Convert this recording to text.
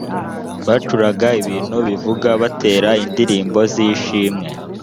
bacuranga ibintu bivuga batera indirimbo z ishimwe